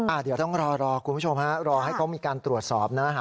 เดี๋ยวต้องรอรอคุณผู้ชมฮะรอให้เขามีการตรวจสอบนะฮะ